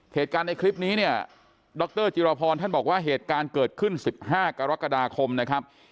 เหตุการณ์ในคลิปนี้เนี่ยดรจิรพรท่านบอกว่าเหตุการณ์เกิดขึ้น๑๕กรกฎาคมนะครับ